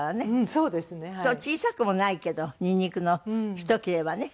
そう小さくもないけどニンニクのひと切れはね。